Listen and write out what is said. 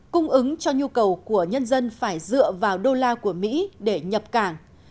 cung ứng cho nhu cầu của nhân dân phải dựa vào đô la của mỹ để nhập cảng